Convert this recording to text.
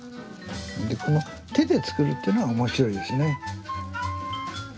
この手で作るというのが面白いですね。